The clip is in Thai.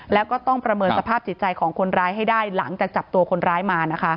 แล้วก็ต้องประเมินสภาพจิตใจของคนร้ายให้ได้หลังจากจับตัวคนร้ายมานะคะ